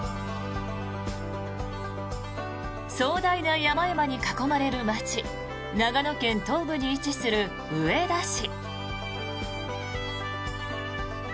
壮大な山々に囲まれる街長野県東部に位置する上田市。